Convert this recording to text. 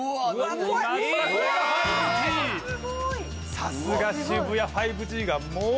さすが渋谷５Ｇがもう。